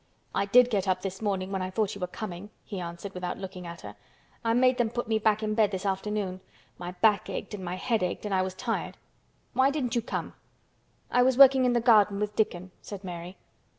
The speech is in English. "I did get up this morning when I thought you were coming," he answered, without looking at her. "I made them put me back in bed this afternoon. My back ached and my head ached and I was tired. Why didn't you come?" "I was working in the garden with Dickon," said Mary.